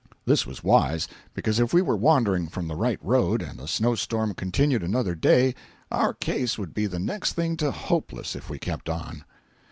This was wise, because if we were wandering from the right road and the snow storm continued another day our case would be the next thing to hopeless if we kept on.